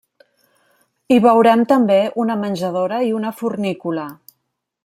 Hi veurem també una menjadora i una fornícula.